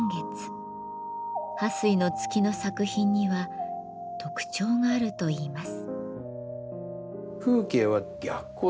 巴水の月の作品には特徴があるといいます。